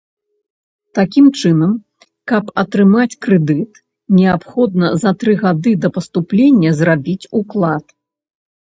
Такім чынам, каб атрымаць крэдыт, неабходна за тры гады да паступлення зрабіць уклад.